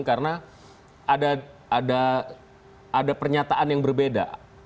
karena ada pernyataan yang berbeda